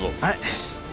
はい。